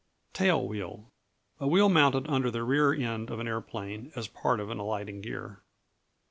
Tail Wheel A wheel mounted under the rear end of an aeroplane as a part of the alighting gear.